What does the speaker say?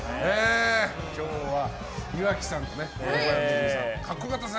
今日は岩城さんと横山めぐみさん。